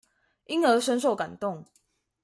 因而深受感動